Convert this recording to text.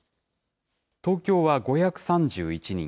東京は５３１人。